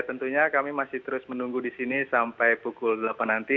tentunya kami masih terus menunggu di sini sampai pukul delapan nanti